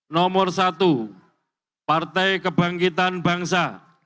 nomor satu partai kebangkitan bangsa